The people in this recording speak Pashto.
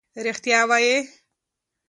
ریښتیا ووایئ.